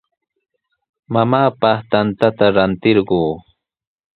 Mamaapaq tantata ratirquu.